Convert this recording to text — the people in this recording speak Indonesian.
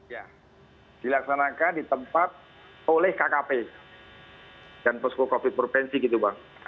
ya dilaksanakan di tempat oleh kkp dan posko covid provinsi gitu bang